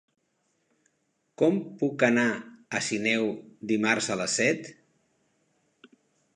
Com puc anar a Sineu dimarts a les set?